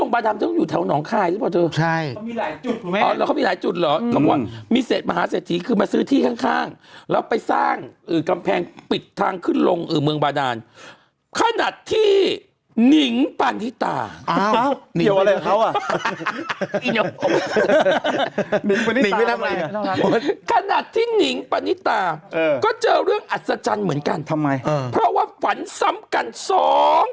ปรากฏว่ามีแสงสีเขียวเกิดขึ้นมนตรองฟ้าแถวรอนอง